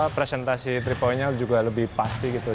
presentasi three poinnya juga lebih pasti gitu